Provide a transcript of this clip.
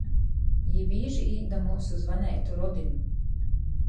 Jī bīži īt da myusu zvaneitu rodim.